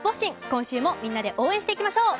今週もみんなで応援していきましょう。